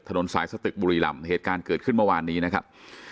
ถนนสายสตึกบุรีรำเหตุการณ์เกิดขึ้นเมื่อวานนี้นะครับ